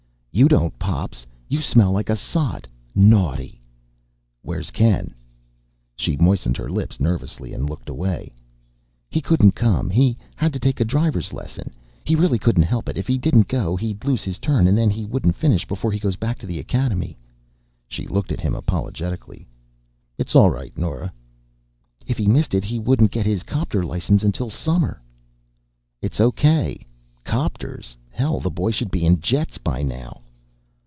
"You don't, Pops. You smell like a sot. Naughty!" "Where's Ken?" She moistened her lips nervously and looked away. "He couldn't come. He had to take a driver's lesson. He really couldn't help it. If he didn't go, he'd lose his turn, and then he wouldn't finish before he goes back to the academy." She looked at him apologetically. "It's all right, Nora." "If he missed it, he wouldn't get his copter license until summer." "It's okay. Copters! Hell, the boy should be in jets by now!"